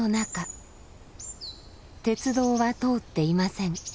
鉄道は通っていません。